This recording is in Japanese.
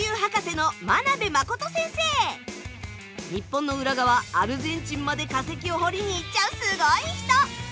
日本の裏側アルゼンチンまで化石を掘りに行っちゃうすごい人。